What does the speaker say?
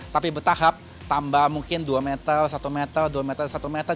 tapi bertahap tambah mungkin dua meter satu meter dua meter satu meter